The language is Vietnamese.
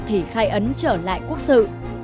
thì khai ấn trở lại quốc sự